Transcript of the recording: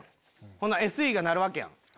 ほんならＳＥが鳴るわけやん。